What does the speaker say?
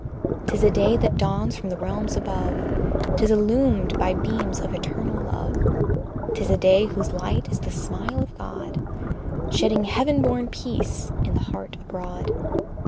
'Tis a day that dawns from the realms above, 'Tis illumined by beams of eternal love: 'Tis a day whose light is the smile of God, Shedding heaven born peace in the heart abroad.